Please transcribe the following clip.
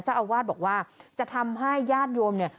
เจ้าอาวาสบอกว่าจะทำให้ญาติโยมเนี่ย